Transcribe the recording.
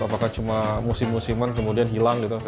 apakah cuma musim musiman kemudian hilang gitu